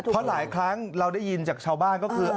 เพราะหลายครั้งเราได้ยินจากชาวบ้านก็คือ